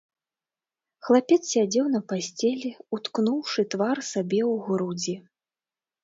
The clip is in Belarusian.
Хлапец сядзеў на пасцелі, уткнуўшы твар сабе ў грудзі.